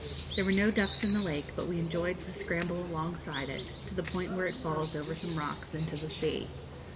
There were no ducks in the lake, but we enjoyed the scramble alongside it, to the point where it falls over some rocks into the sea.